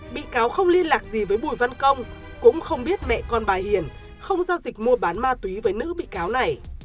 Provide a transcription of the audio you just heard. bị cáo không liên lạc gì với bùi văn công cũng không biết mẹ con bà hiền không giao dịch mua bán ma túy với nữ bị cáo này